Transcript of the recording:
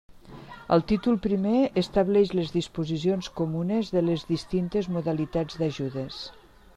El títol primer establix les disposicions comunes de les distintes modalitats d'ajudes.